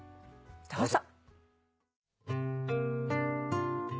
どうぞ。